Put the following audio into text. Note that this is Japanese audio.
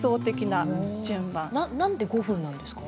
なんで５分なんですか？